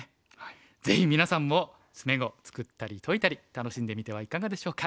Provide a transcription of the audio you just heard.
ぜひみなさんも詰碁つくったり解いたり楽しんでみてはいかがでしょうか。